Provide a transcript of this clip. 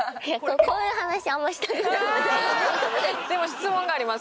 でも質問があります